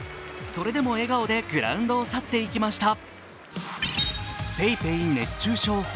それでも笑顔でグラウンドを去っていきました。